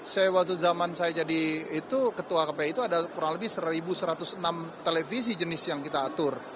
saya waktu zaman saya jadi itu ketua kpi itu ada kurang lebih seribu satu ratus enam televisi jenis yang kita atur